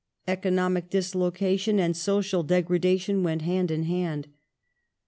Economic dislocation and social degradation went hand in hand.